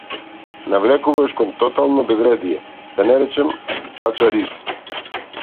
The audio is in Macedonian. Навлекуваш кон тотално безредие, да не речам - пачариз!